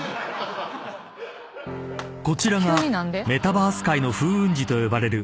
［こちらがメタバース界の風雲児と呼ばれる］